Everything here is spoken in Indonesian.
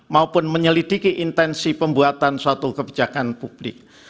maupun menyelidiki intensi pembuatan suatu kebijakan publik